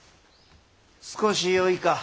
少しよいか。